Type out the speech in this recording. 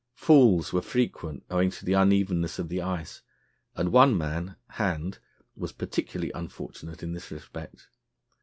Falls were frequent, owing to the unevenness of the ice, and one man, Hand, was particularly unfortunate in this respect.